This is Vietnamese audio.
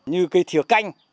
như cây thừa canh